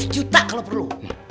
dua ratus juta kalau perlu